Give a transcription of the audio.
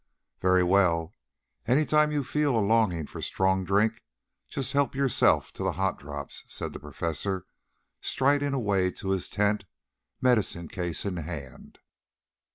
"Very well; any time when you feel a longing for strong drink, just help yourself to the hot drops," said the Professor, striding away to his tent, medicine case in hand.